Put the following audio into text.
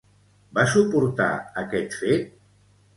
Va suportar aquest fet?